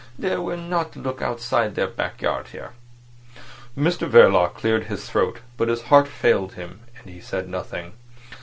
They will not look outside their backyard here." Mr Verloc cleared his throat, but his heart failed him, and he said nothing.